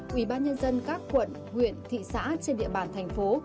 quỹ ban nhân dân các quận nguyện thị xã trên địa bàn thành phố